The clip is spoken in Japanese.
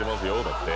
だって。